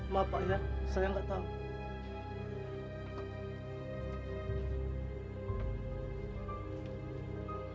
maaf pak ya saya nggak tahu